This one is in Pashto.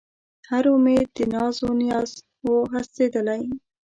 هر اُمید د ناز و نیاز و هستېدلی